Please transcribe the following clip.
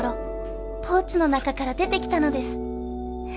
ポーチの中から出てきたのです！」